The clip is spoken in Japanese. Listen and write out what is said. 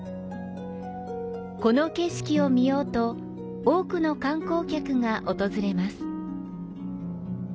この景色を見ようと多くの観光客が訪れます。